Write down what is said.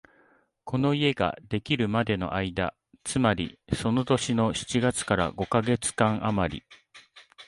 この家ができるまでの間、つまりその年の七月から五カ月間あまり、